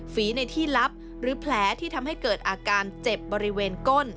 ฝีในที่ลับหรือแผลที่ทำให้เกิดอาการเจ็บบริเวณก้น